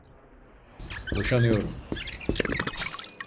Boşanıyorum.